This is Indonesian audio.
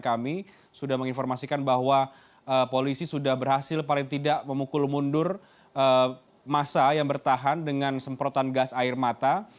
kami sudah menginformasikan bahwa polisi sudah berhasil paling tidak memukul mundur masa yang bertahan dengan semprotan gas air mata